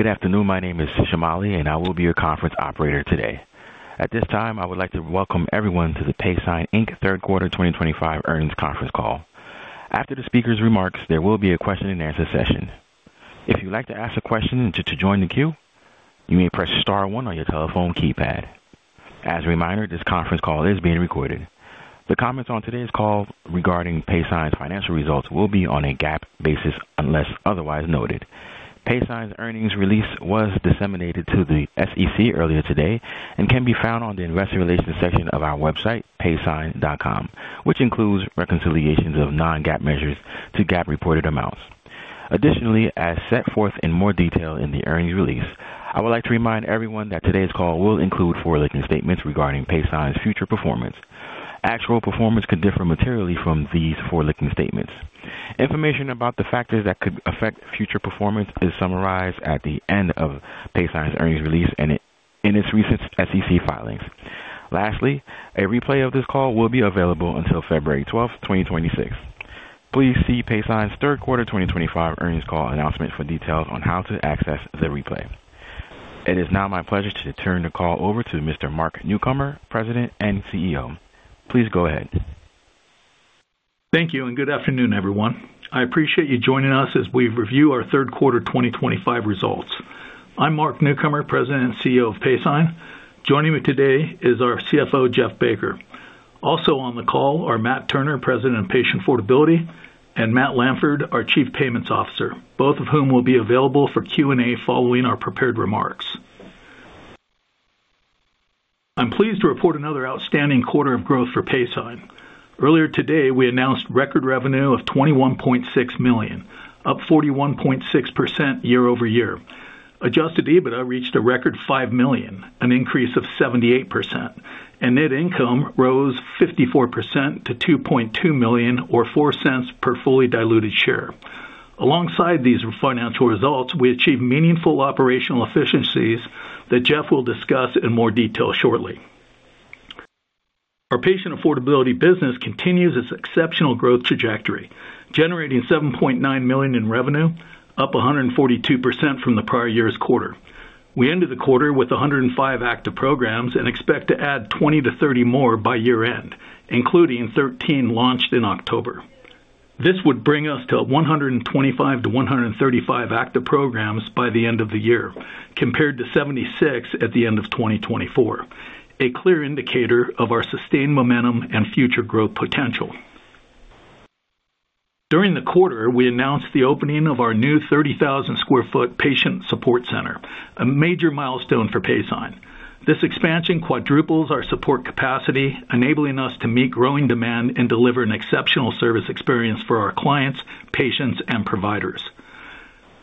Good afternoon. My name is Jamali, and I will be your conference operator today. At this time, I would like to welcome everyone to the Paysign Third Quarter 2025 Earnings Conference Call. After the speaker's remarks, there will be a question-and-answer session. If you'd like to ask a question and to join the queue, you may press star one on your telephone keypad. As a reminder, this conference call is being recorded. The comments on today's call regarding Paysign's financial results will be on a GAAP basis unless otherwise noted. Paysign's earnings release was disseminated to the SEC earlier today and can be found on the investor relations section of our website, paysign.com, which includes reconciliations of non-GAAP measures to GAAP-reported amounts. Additionally, as set forth in more detail in the earnings release, I would like to remind everyone that today's call will include forward-looking statements regarding Paysign's future performance. Actual performance could differ materially from these forward-looking statements. Information about the factors that could affect future performance is summarized at the end of Paysign's earnings release and in its recent SEC filings. Lastly, a replay of this call will be available until February 12th, 2026. Please see Paysign's Third Quarter 2025 Earnings Call announcement for details on how to access the replay. It is now my pleasure to turn the call over to Mr. Mark Newcomer, President and CEO. Please go ahead. Thank you and good afternoon, everyone. I appreciate you joining us as we review our third quarter 2025 results. I'm Mark Newcomer, President and CEO of Paysign. Joining me today is our CFO, Jeff Baker. Also on the call are Matt Turner, President and Patient Affordability, and Matt Lanford, our Chief Payments Officer, both of whom will be available for Q&A following our prepared remarks. I'm pleased to report another outstanding quarter of growth for Paysign. Earlier today, we announced record revenue of $21.6 million, up 41.6% year-over-year. Adjusted EBITDA reached a record $5 million, an increase of 78%, and net income rose 54% to $2.2 million, or $0.04 per fully diluted share. Alongside these financial results, we achieved meaningful operational efficiencies that Jeff will discuss in more detail shortly. Our patient affordability business continues its exceptional growth trajectory, generating $7.9 million in revenue, up 142% from the prior year's quarter. We ended the quarter with 105 active programs and expect to add 20-30 more by year-end, including 13 launched in October. This would bring us to 125-135 active programs by the end of the year, compared to 76 at the end of 2024, a clear indicator of our sustained momentum and future growth potential. During the quarter, we announced the opening of our new 30,000 sq ft patient support center, a major milestone for Paysign. This expansion quadruples our support capacity, enabling us to meet growing demand and deliver an exceptional service experience for our clients, patients, and providers.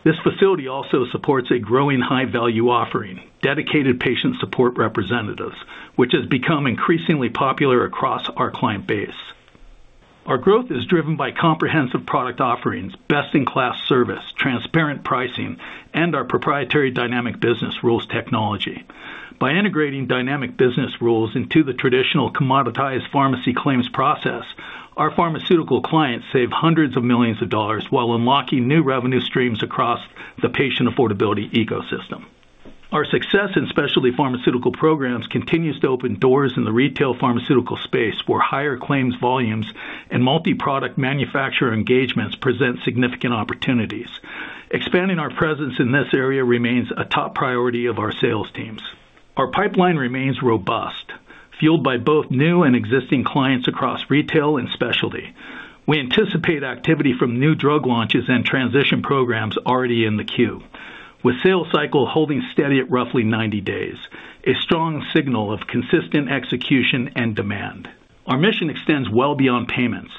This facility also supports a growing high-value offering, dedicated patient support representatives, which has become increasingly popular across our client base. Our growth is driven by comprehensive product offerings, best-in-class service, transparent pricing, and our proprietary Dynamic Business Rules technology. By integrating Dynamic Business Rules into the traditional commoditized pharmacy claims process, our pharmaceutical clients save hundreds of millions of dollars while unlocking new revenue streams across the patient affordability ecosystem. Our success in specialty pharmaceutical programs continues to open doors in the retail pharmaceutical space, where higher claims volumes and multi-product manufacturer engagements present significant opportunities. Expanding our presence in this area remains a top priority of our sales teams. Our pipeline remains robust, fueled by both new and existing clients across retail and specialty. We anticipate activity from new drug launches and transition programs already in the queue, with sales cycle holding steady at roughly 90 days, a strong signal of consistent execution and demand. Our mission extends well beyond payments.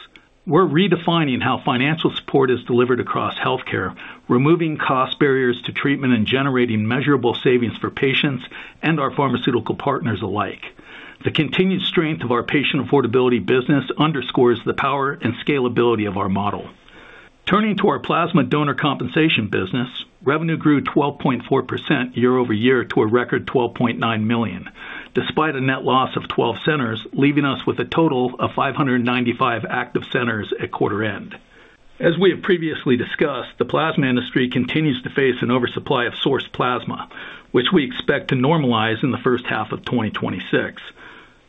We're redefining how financial support is delivered across healthcare, removing cost barriers to treatment and generating measurable savings for patients and our pharmaceutical partners alike. The continued strength of our patient affordability business underscores the power and scalability of our model. Turning to our plasma donor compensation business, revenue grew 12.4% year-over-year to a record $12.9 million, despite a net loss of 12 centers, leaving us with a total of 595 active centers at quarter-end. As we have previously discussed, the plasma industry continues to face an oversupply of source plasma, which we expect to normalize in the first half of 2026.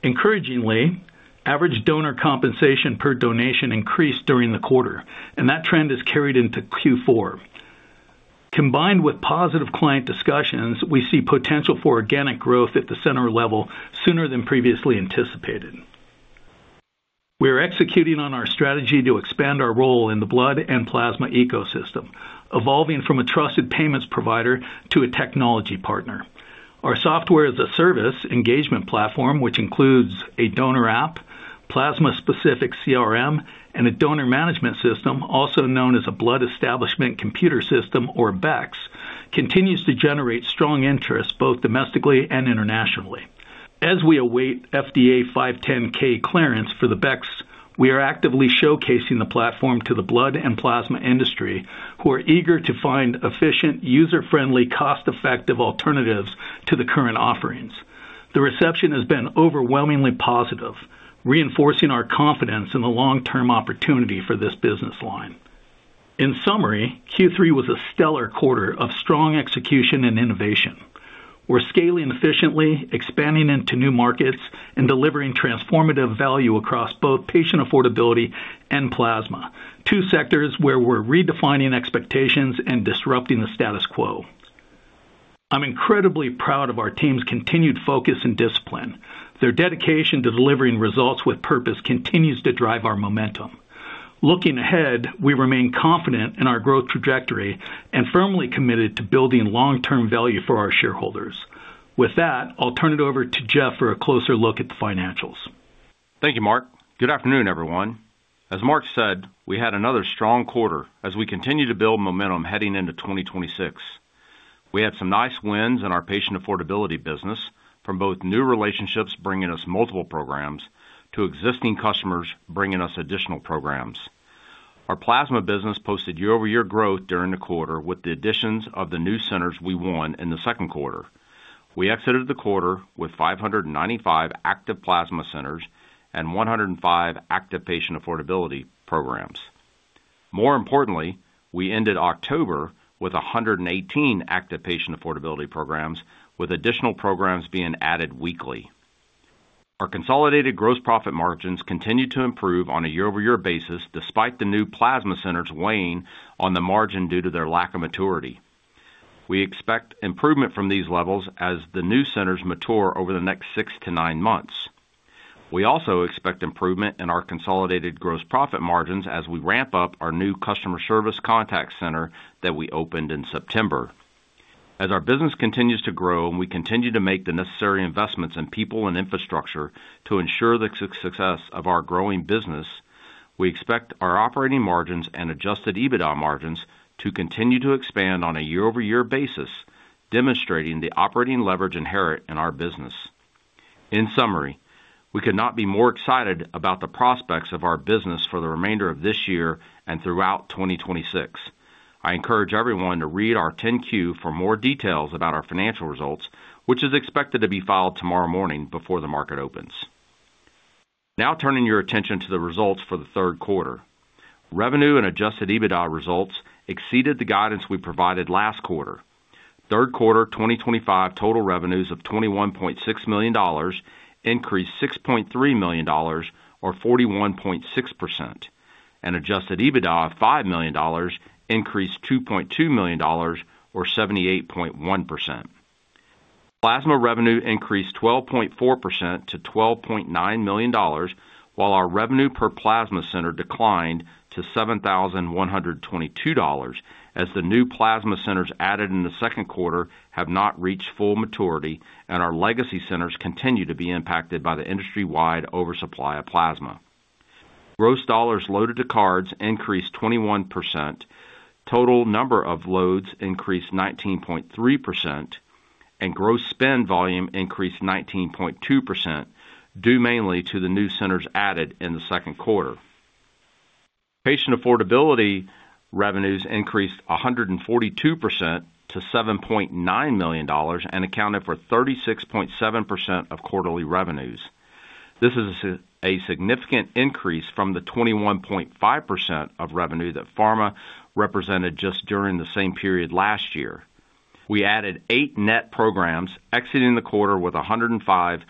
Encouragingly, average donor compensation per donation increased during the quarter, and that trend is carried into Q4. Combined with positive client discussions, we see potential for organic growth at the center level sooner than previously anticipated. We are executing on our strategy to expand our role in the blood and plasma ecosystem, evolving from a trusted payments provider to a technology partner. Our software as a service engagement platform, which includes a donor app, plasma-specific CRM, and a donor management system, also known as a Blood Establishment Computer System, or BECCS, continues to generate strong interest both domestically and internationally. As we await FDA 510(k) clearance for the BECCS, we are actively showcasing the platform to the blood and plasma industry, who are eager to find efficient, user-friendly, cost-effective alternatives to the current offerings. The reception has been overwhelmingly positive, reinforcing our confidence in the long-term opportunity for this business line. In summary, Q3 was a stellar quarter of strong execution and innovation. We're scaling efficiently, expanding into new markets, and delivering transformative value across both patient affordability and plasma, two sectors where we're redefining expectations and disrupting the status quo. I'm incredibly proud of our team's continued focus and discipline. Their dedication to delivering results with purpose continues to drive our momentum. Looking ahead, we remain confident in our growth trajectory and firmly committed to building long-term value for our shareholders. With that, I'll turn it over to Jeff for a closer look at the financials. Thank you, Mark. Good afternoon, everyone. As Mark said, we had another strong quarter as we continued to build momentum heading into 2026. We had some nice wins in our patient affordability business, from both new relationships bringing us multiple programs to existing customers bringing us additional programs. Our plasma business posted year-over-year growth during the quarter with the additions of the new centers we won in the second quarter. We exited the quarter with 595 active plasma centers and 105 active patient affordability programs. More importantly, we ended October with 118 active patient affordability programs, with additional programs being added weekly. Our consolidated gross profit margins continue to improve on a year-over-year basis, despite the new plasma centers weighing on the margin due to their lack of maturity. We expect improvement from these levels as the new centers mature over the next six to nine months. We also expect improvement in our consolidated gross profit margins as we ramp up our new customer service contact center that we opened in September. As our business continues to grow and we continue to make the necessary investments in people and infrastructure to ensure the success of our growing business, we expect our operating margins and Adjusted EBITDA margins to continue to expand on a year-over-year basis, demonstrating the operating leverage inherent in our business. In summary, we could not be more excited about the prospects of our business for the remainder of this year and throughout 2026. I encourage everyone to read our 10-Q for more details about our financial results, which is expected to be filed tomorrow morning before the market opens. Now turning your attention to the results for the third quarter. Revenue and Adjusted EBITDA results exceeded the guidance we provided last quarter. Third quarter 2025 total revenues of $21.6 million increased $6.3 million, or 41.6%, and Adjusted EBITDA of $5 million increased $2.2 million, or 78.1%. Plasma revenue increased 12.4% to $12.9 million, while our revenue per plasma center declined to $7,122 as the new plasma centers added in the second quarter have not reached full maturity and our legacy centers continue to be impacted by the industry-wide oversupply of plasma. Gross dollars loaded to cards increased 21%, total number of loads increased 19.3%, and gross spend volume increased 19.2%, due mainly to the new centers added in the second quarter. Patient affordability revenues increased 142% to $7.9 million and accounted for 36.7% of quarterly revenues. This is a significant increase from the 21.5% of revenue that pharma represented just during the same period last year. We added eight net programs, exiting the quarter with 105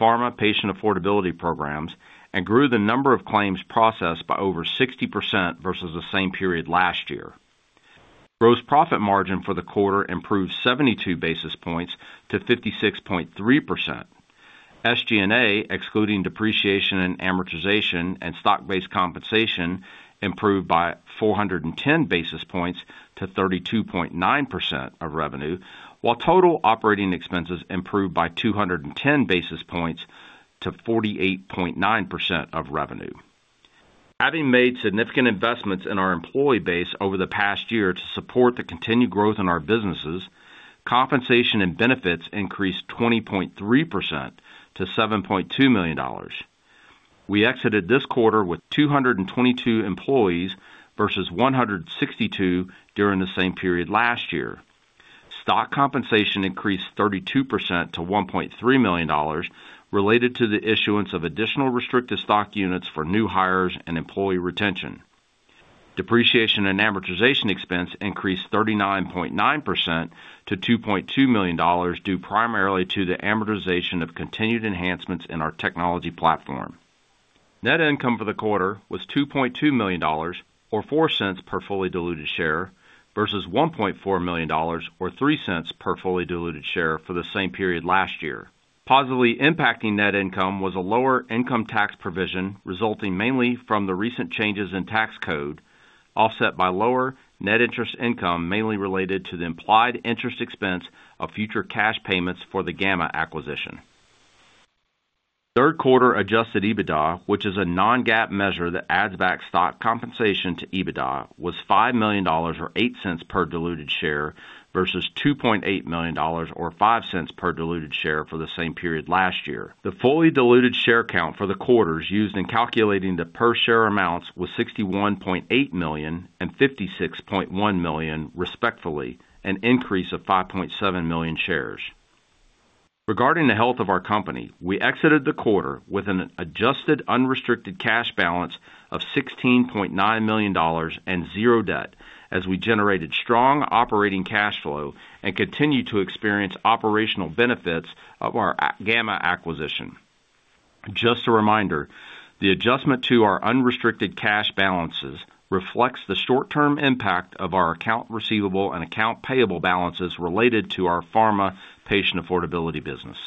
pharma patient affordability programs, and grew the number of claims processed by over 60% versus the same period last year. Gross profit margin for the quarter improved 72 basis points to 56.3%. SG&A, excluding depreciation and amortization and stock-based compensation, improved by 410 basis points to 32.9% of revenue, while total operating expenses improved by 210 basis points to 48.9% of revenue. Having made significant investments in our employee base over the past year to support the continued growth in our businesses, compensation and benefits increased 20.3% to $7.2 million. We exited this quarter with 222 employees versus 162 during the same period last year. Stock compensation increased 32% to $1.3 million, related to the issuance of additional restricted stock units for new hires and employee retention. Depreciation and amortization expense increased 39.9% to $2.2 million, due primarily to the amortization of continued enhancements in our technology platform. Net income for the quarter was $2.2 million, or $0.04 per fully diluted share, versus $1.4 million, or $0.03 per fully diluted share for the same period last year. Positively impacting net income was a lower income tax provision resulting mainly from the recent changes in tax code, offset by lower net interest income mainly related to the implied interest expense of future cash payments for the Gamma acquisition. Third quarter Adjusted EBITDA, which is a non-GAAP measure that adds back stock compensation to EBITDA, was $5 million, or $0.08 per diluted share, versus $2.8 million, or $0.05 per diluted share for the same period last year. The fully diluted share count for the quarters used in calculating the per-share amounts was 61.8 million and 56.1 million, respectively, an increase of 5.7 million shares. Regarding the health of our Company, we exited the quarter with an adjusted unrestricted cash balance of $16.9 million and zero debt, as we generated strong operating cash flow and continue to experience operational benefits of our Gamma acquisition. Just a reminder, the adjustment to our unrestricted cash balances reflects the short-term impact of our account receivable and account payable balances related to our pharma patient affordability business.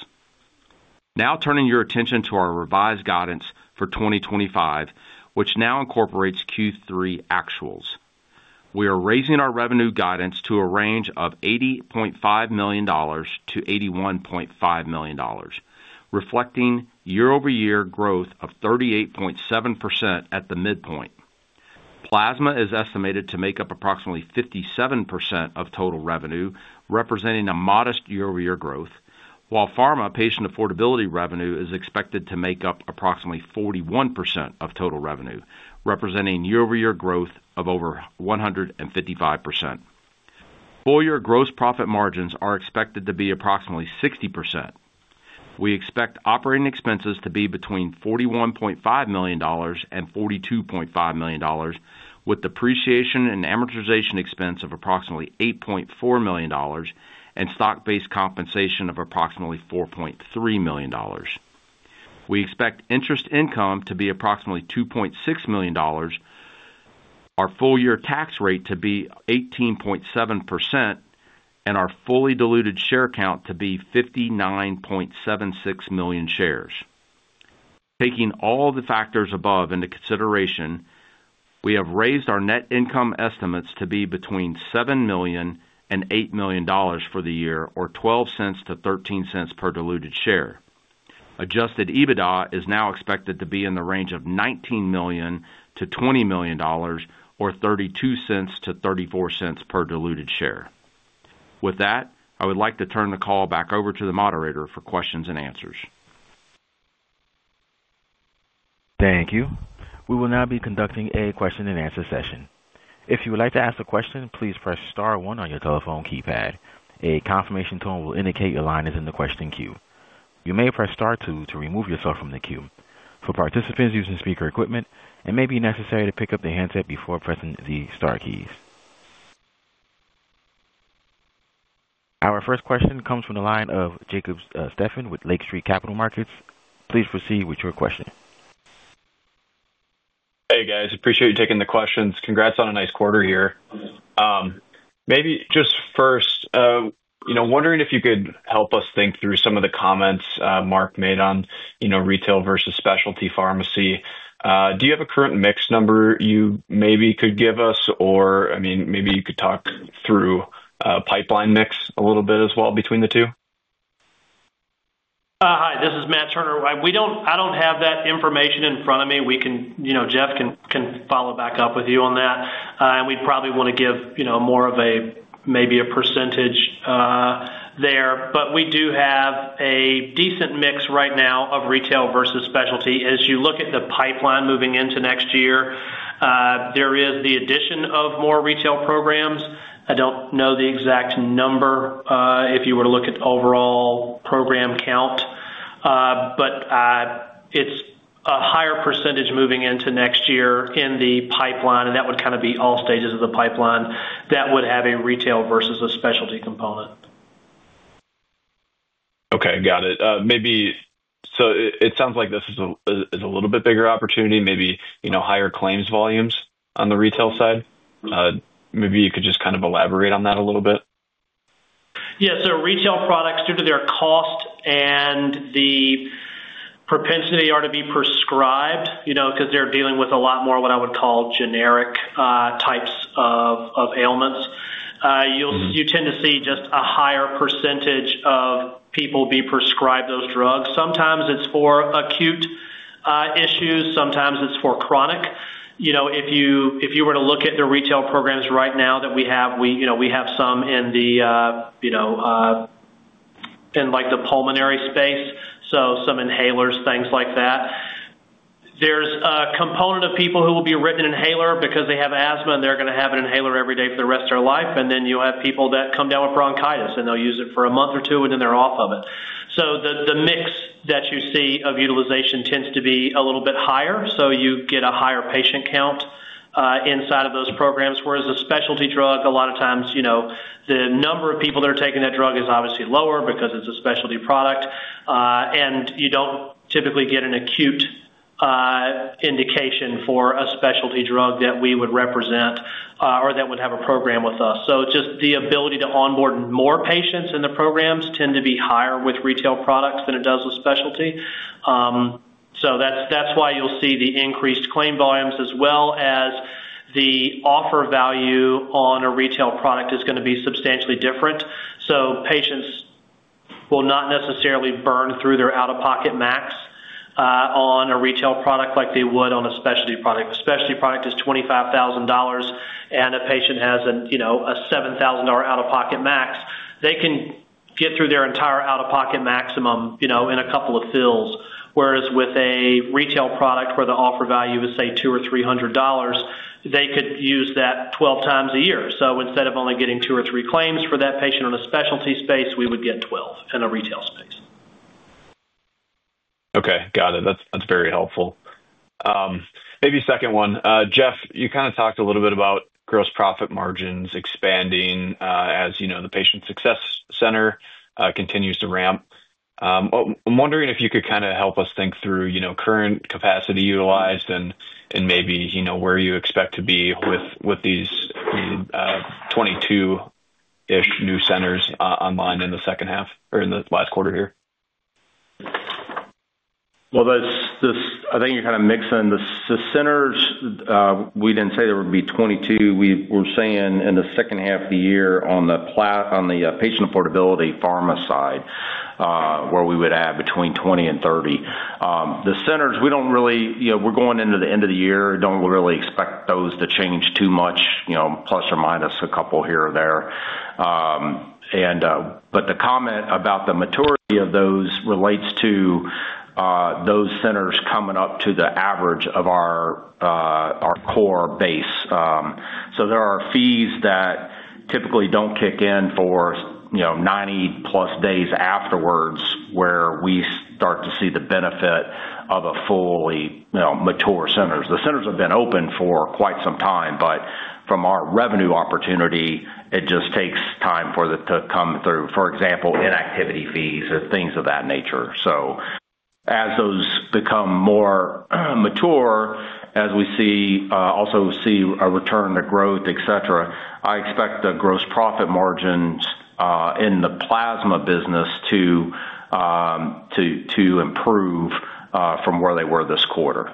Now turning your attention to our revised guidance for 2025, which now incorporates Q3 actuals. We are raising our revenue guidance to a range of $80.5 million-$81.5 million, reflecting year-over-year growth of 38.7% at the midpoint. Plasma is estimated to make up approximately 57% of total revenue, representing a modest year-over-year growth, while pharma patient affordability revenue is expected to make up approximately 41% of total revenue, representing year-over-year growth of over 155%. Full-year gross profit margins are expected to be approximately 60%. We expect operating expenses to be between $41.5 million and $42.5 million, with depreciation and amortization expense of approximately $8.4 million and stock-based compensation of approximately $4.3 million. We expect interest income to be approximately $2.6 million, our full-year tax rate to be 18.7%, and our fully diluted share count to be 59.76 million shares. Taking all the factors above into consideration, we have raised our net income estimates to be between $7 million and $8 million for the year, or $0.12-$0.13 per diluted share. Adjusted EBITDA is now expected to be in the range of $19 million-$20 million, or $0.32-$0.34 per diluted share. With that, I would like to turn the call back over to the moderator for questions and answers. Thank you. We will now be conducting a question-and-answer session. If you would like to ask a question, please press Star 1 on your telephone keypad. A confirmation tone will indicate your line is in the question queue. You may press Star 2 to remove yourself from the queue. For participants using speaker equipment, it may be necessary to pick up the handset before pressing the Star keys. Our first question comes from the line of Jacob Stephan with Lake Street Capital Markets. Please proceed with your question. Hey, guys. Appreciate you taking the questions. Congrats on a nice quarter here. Maybe just first, wondering if you could help us think through some of the comments Mark made on retail versus specialty pharmacy. Do you have a current mix number you maybe could give us, or maybe you could talk through pipeline mix a little bit as well between the two? Hi, this is Matt Turner. I don't have that information in front of me. Jeff can follow back up with you on that. We'd probably want to give more of a maybe a percentage there. We do have a decent mix right now of retail versus specialty. As you look at the pipeline moving into next year, there is the addition of more retail programs. I don't know the exact number if you were to look at overall program count. It's a higher percentage moving into next year in the pipeline, and that would kind of be all stages of the pipeline that would have a retail versus a specialty component. Okay. Got it. It sounds like this is a little bit bigger opportunity, maybe higher claims volumes on the retail side. Maybe you could just kind of elaborate on that a little bit. Yeah. Retail products, due to their cost and the propensity to be prescribed because they're dealing with a lot more of what I would call generic types of ailments, you tend to see just a higher percentage of people be prescribed those drugs. Sometimes it's for acute issues. Sometimes it's for chronic. If you were to look at the retail programs right now that we have, we have some in the pulmonary space, so some inhalers, things like that. There's a component of people who will be written an inhaler because they have asthma, and they're going to have an inhaler every day for the rest of their life. Then you'll have people that come down with bronchitis, and they'll use it for a month or two, and then they're off of it. The mix that you see of utilization tends to be a little bit higher. You get a higher patient count inside of those programs. Whereas a specialty drug, a lot of times the number of people that are taking that drug is obviously lower because it's a specialty product. You don't typically get an acute indication for a specialty drug that we would represent or that would have a program with us. Just the ability to onboard more patients in the programs tends to be higher with retail products than it does with specialty. That's why you'll see the increased claim volumes, as well as the offer value on a retail product is going to be substantially different. Patients will not necessarily burn through their out-of-pocket max on a retail product like they would on a specialty product. If a specialty product is $25,000 and a patient has a $7,000 out-of-pocket max, they can get through their entire out-of-pocket maximum in a couple of fills. Whereas with a retail product where the offer value is, say, $200 or $300, they could use that 12x a year. Instead of only getting two or three claims for that patient in a specialty space, we would get 12 in a retail space. Okay. Got it. That's very helpful. Maybe second one. Jeff, you kind of talked a little bit about gross profit margins expanding as the patient success center continues to ramp. I'm wondering if you could kind of help us think through current capacity utilized and maybe where you expect to be with these 22-ish new centers online in the second half or in the last quarter here. I think you're kind of mixing the centers. We didn't say there would be 22. We were saying in the second half of the year on the patient affordability pharma side, where we would add between 20 and 30. The centers, we don't really—we're going into the end of the year. Don't really expect those to change too much, plus or minus a couple here or there. The comment about the maturity of those relates to those centers coming up to the average of our core base. There are fees that typically don't kick in for 90+ days afterwards where we start to see the benefit of a fully mature center. The centers have been open for quite some time, but from our revenue opportunity, it just takes time for it to come through. For example, inactivity fees or things of that nature. As those become more mature, as we also see a return to growth, etc., I expect the gross profit margins in the plasma business to improve from where they were this quarter.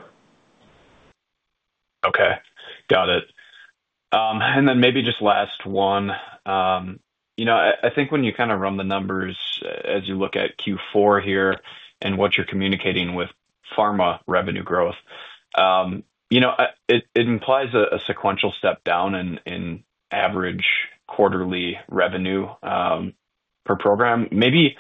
Okay. Got it. Maybe just last one. I think when you kind of run the numbers as you look at Q4 here and what you're communicating with pharma revenue growth, it implies a sequential step down in average quarterly revenue per program. Maybe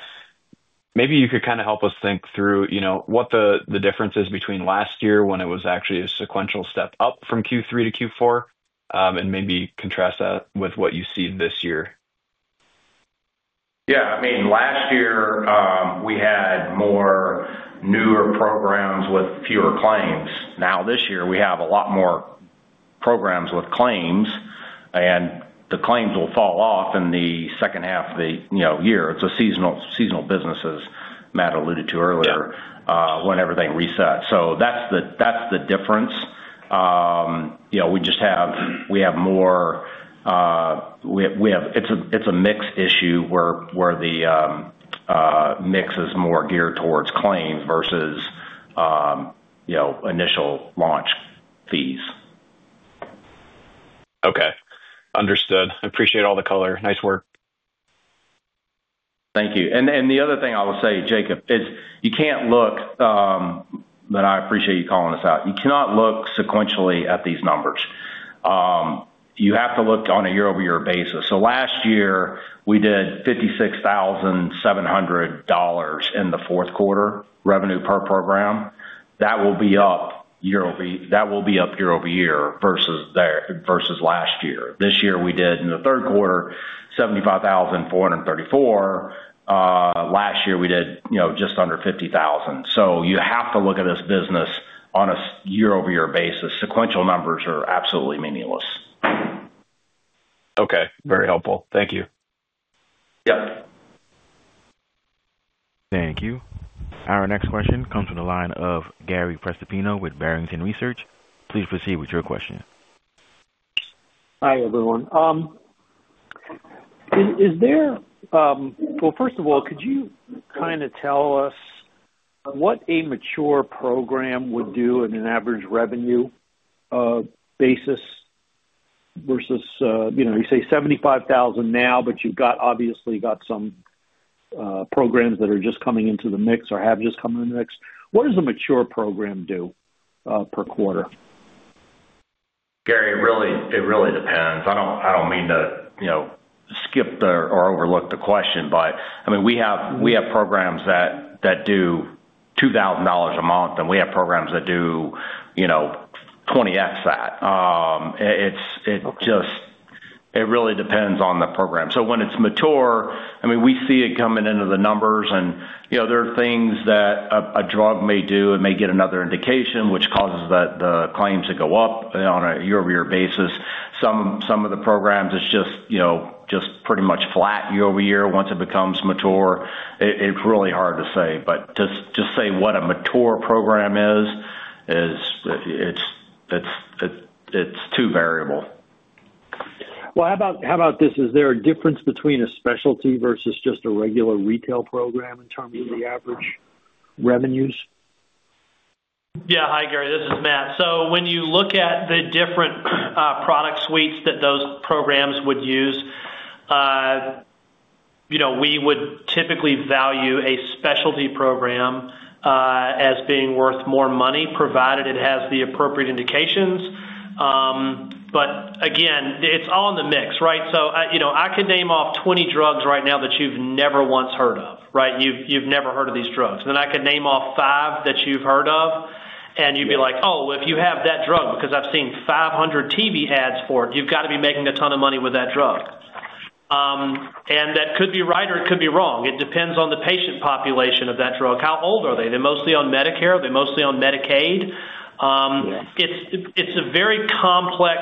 you could kind of help us think through what the difference is between last year when it was actually a sequential step up from Q3 to Q4, and maybe contrast that with what you see this year. Yeah. I mean, last year, we had more newer programs with fewer claims. Now, this year, we have a lot more programs with claims, and the claims will fall off in the second half of the year. It is a seasonal business, as Matt alluded to earlier, when everything resets. That is the difference. We have more—it is a mix issue where the mix is more geared towards claims versus initial launch fees. Okay. Understood. Appreciate all the color. Nice work. Thank you. The other thing I will say, Jacob, is you cannot look—but I appreciate you calling us out—you cannot look sequentially at these numbers. You have to look on a year-over-year basis. Last year, we did $56,700 in the fourth quarter revenue per program. That will be up year-over-year versus last year. This year, we did in the third quarter $75,434. Last year, we did just under $50,000. You have to look at this business on a year-over-year basis. Sequential numbers are absolutely meaningless. Okay. Very helpful. Thank you. Yep. Thank you. Our next question comes from the line of Gary Prestopino with Barrington Research. Please proceed with your question. Hi, everyone. First of all, could you kind of tell us what a mature program would do on an average revenue basis versus, you say $75,000 now, but you've obviously got some programs that are just coming into the mix or have just come into the mix. What does a mature program do per quarter? Gary, it really depends. I don't mean to skip or overlook the question, but I mean, we have programs that do $2,000 a month, and we have programs that do 20X that. It really depends on the program. When it's mature, I mean, we see it coming into the numbers. There are things that a drug may do. It may get another indication, which causes the claims to go up on a year-over-year basis. Some of the programs, it's just pretty much flat year-over-year. Once it becomes mature, it's really hard to say. To just say what a mature program is, it's too variable. How about this? Is there a difference between a specialty versus just a regular retail program in terms of the average revenues? Yeah. Hi, Gary. This is Matt. When you look at the different product suites that those programs would use, we would typically value a specialty program as being worth more money, provided it has the appropriate indications. Again, it's all in the mix, right? I could name off 20 drugs right now that you've never once heard of, right? You've never heard of these drugs. I could name off five that you've heard of, and you'd be like, "Oh, if you have that drug, because I've seen 500 TV ads for it, you've got to be making a ton of money with that drug." That could be right, or it could be wrong. It depends on the patient population of that drug. How old are they? Are they mostly on Medicare? Are they mostly on Medicaid? It's a very complex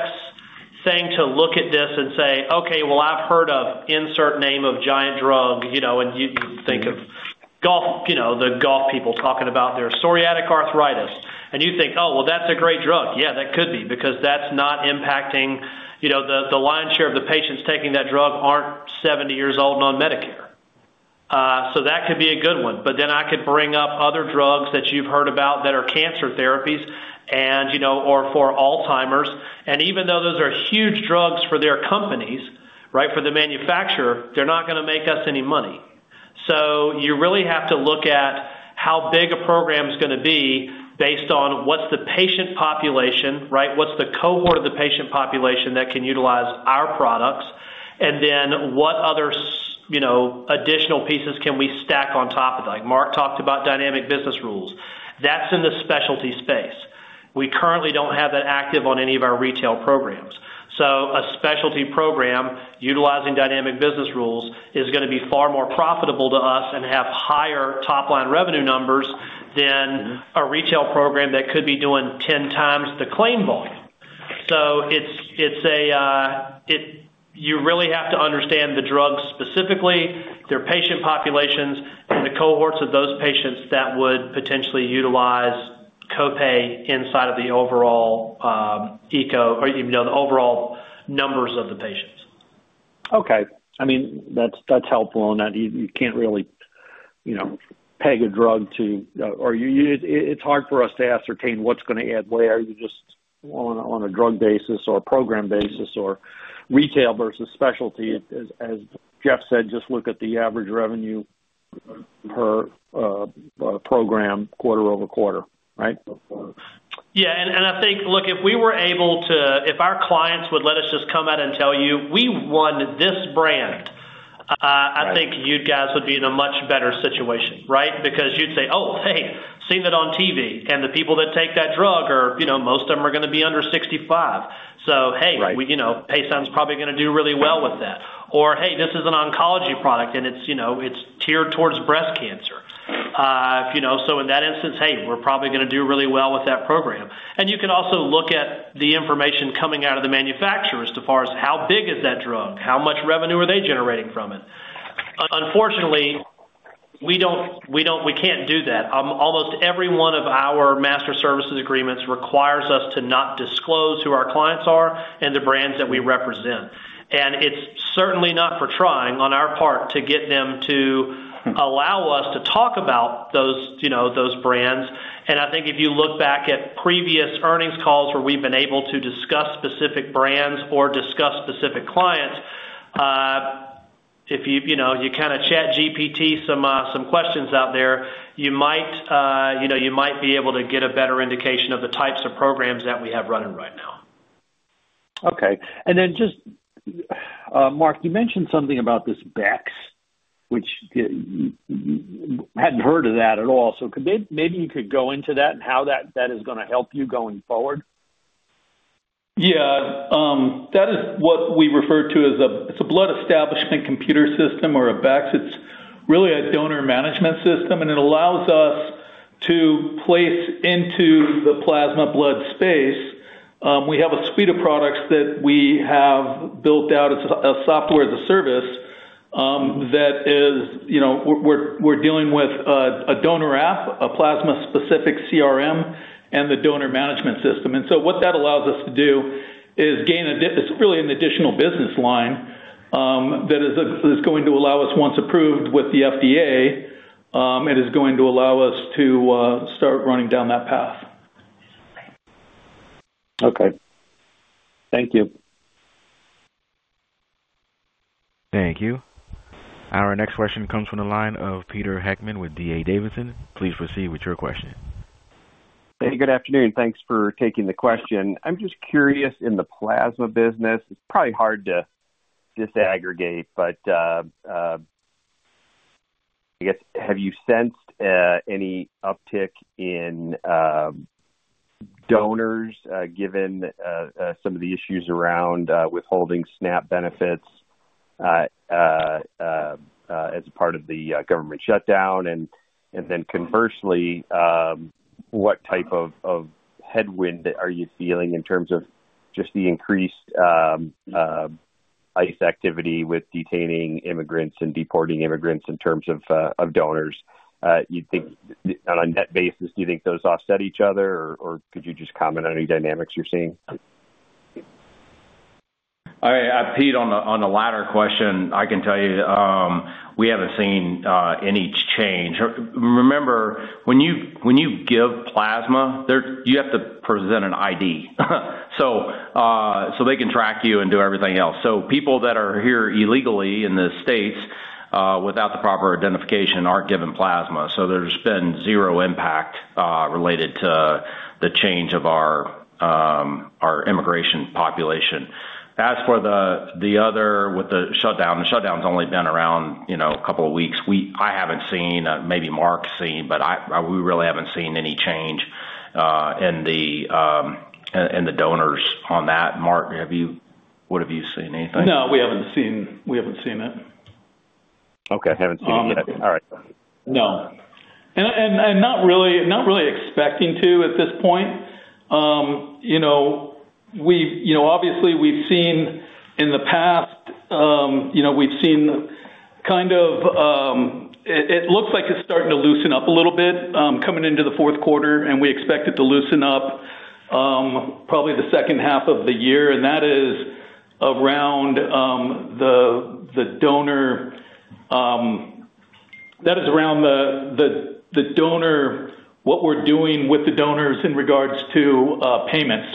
thing to look at this and say, "Okay. I've heard of insert name of giant drug." You think of the golf people talking about their psoriatic arthritis. You think, "Oh, that's a great drug." That could be because that's not impacting the lion's share of the patients taking that drug, who aren't 70 years old and on Medicare. That could be a good one. I could bring up other drugs that you've heard about that are cancer therapies or for Alzheimer's. Even though those are huge drugs for their companies, for the manufacturer, they're not going to make us any money. You really have to look at how big a program is going to be based on what's the patient population, right? What's the cohort of the patient population that can utilize our products? What other additional pieces can we stack on top of that? Mark talked about Dynamic Business Rules. that is in the specialty space. We currently do not have that active on any of our retail programs. A specialty program utilizing Dynamic Business Rules is going to be far more profitable to us and have higher top-line revenue numbers than a retail program that could be doing 10x the claim volume. You really have to understand the drug specifically, their patient populations, and the cohorts of those patients that would potentially utilize copay inside of the overall eco or the overall numbers of the patients. Okay. I mean, that's helpful in that you can't really peg a drug to or it's hard for us to ascertain what's going to add weight. Are you just on a drug basis or a program basis or retail versus specialty? As Jeff said, just look at the average revenue per program quarter over quarter, right? Yeah. I think, look, if we were able to, if our clients would let us just come out and tell you, "We won this brand," I think you guys would be in a much better situation, right? Because you'd say, "Oh, hey, seen it on TV, and the people that take that drug, most of them are going to be under 65. So, hey, Paysign's probably going to do really well with that." Or, "Hey, this is an oncology product, and it's tiered towards breast cancer." In that instance, hey, we're probably going to do really well with that program. You can also look at the information coming out of the manufacturer as far as how big is that drug, how much revenue are they generating from it. Unfortunately, we can't do that. Almost every one of our master services agreements requires us to not disclose who our clients are and the brands that we represent. It is certainly not for trying on our part to get them to allow us to talk about those brands. I think if you look back at previous earnings calls where we have been able to discuss specific brands or discuss specific clients, if you kind of chat GPT some questions out there, you might be able to get a better indication of the types of programs that we have running right now. Okay. And then just, Mark, you mentioned something about this BECCS, which I hadn't heard of that at all. So maybe you could go into that and how that is going to help you going forward. Yeah. That is what we refer to as a Blood Establishment Computer System or a BECCS. It's really a donor management system, and it allows us to place into the plasma blood space. We have a suite of products that we have built out as a software as a service that is we're dealing with a donor app, a plasma-specific CRM, and the donor management system. What that allows us to do is gain a—it's really an additional business line that is going to allow us, once approved with the FDA, it is going to allow us to start running down that path. Okay. Thank you. Thank you. Our next question comes from the line of Peter Heckmann with D.A. Davidson. Please proceed with your question. Hey, good afternoon. Thanks for taking the question. I'm just curious, in the plasma business, it's probably hard to disaggregate, but I guess, have you sensed any uptick in donors given some of the issues around withholding SNAP benefits as a part of the government shutdown? Conversely, what type of headwind are you feeling in terms of just the increased ICE activity with detaining immigrants and deporting immigrants in terms of donors? On a net basis, do you think those offset each other, or could you just comment on any dynamics you're seeing? All right. I peed on the latter question. I can tell you we haven't seen any change. Remember, when you give plasma, you have to present an ID so they can track you and do everything else. So people that are here illegally in the States without the proper identification aren't giving plasma. So there's been zero impact related to the change of our immigration population. As for the other with the shutdown, the shutdown's only been around a couple of weeks. I haven't seen—maybe Mark's seen—but we really haven't seen any change in the donors on that. Mark, what have you seen, anything? No, we haven't seen it. Okay. Haven't seen it yet. All right. No. Not really expecting to at this point. Obviously, we've seen in the past, we've seen kind of it looks like it's starting to loosen up a little bit coming into the fourth quarter. We expect it to loosen up probably the second half of the year. That is around the donor, what we're doing with the donors in regards to payments.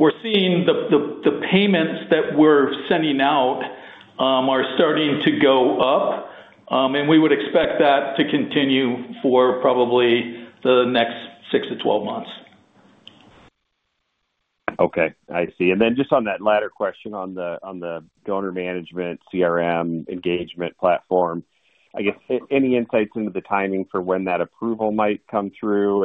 We're seeing the payments that we're sending out are starting to go up, and we would expect that to continue for probably the next 6-12 months. Okay. I see. Just on that latter question on the donor management CRM engagement platform, I guess, any insights into the timing for when that approval might come through?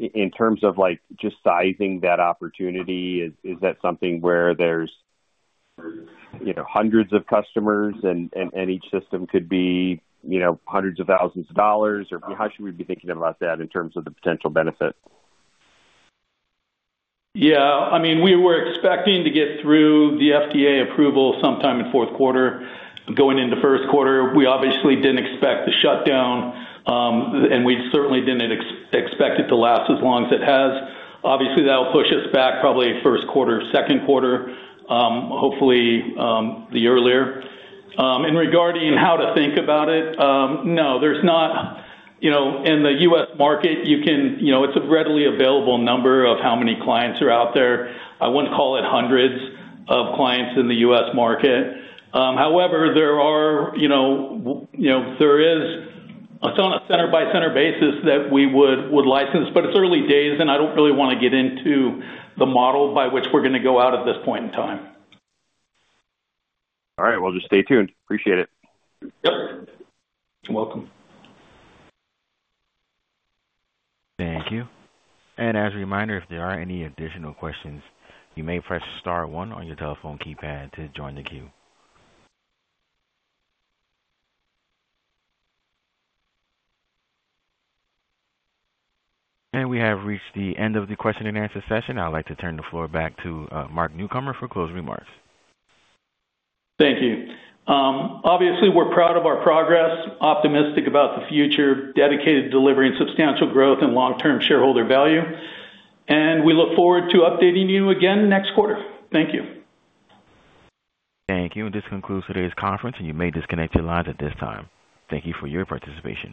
In terms of just sizing that opportunity, is that something where there's hundreds of customers and each system could be hundreds of thousands of dollars? Or how should we be thinking about that in terms of the potential benefit? Yeah. I mean, we were expecting to get through the FDA approval sometime in fourth quarter going into first quarter. We obviously did not expect the shutdown, and we certainly did not expect it to last as long as it has. Obviously, that will push us back probably first quarter, second quarter, hopefully the earlier. In regarding how to think about it, no, there is not. In the US market, you can—it's a readily available number of how many clients are out there. I would not call it hundreds of clients in the US market. However, there are—it is, it's on a center-by-center basis that we would license, but it's early days, and I do not really want to get into the model by which we are going to go out at this point in time. All right. Just stay tuned. Appreciate it. Yep. You're welcome. Thank you. As a reminder, if there are any additional questions, you may press star one on your telephone keypad to join the queue. We have reached the end of the question-and-answer session. I would like to turn the floor back to Mark Newcomer for closing remarks. Thank you. Obviously, we're proud of our progress, optimistic about the future, dedicated to delivering substantial growth and long-term shareholder value. We look forward to updating you again next quarter. Thank you. Thank you. This concludes today's conference, and you may disconnect your lines at this time. Thank you for your participation.